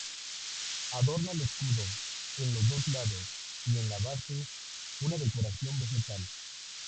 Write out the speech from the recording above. Adorna el escudo en los dos lados y en la base una decoración vegetal.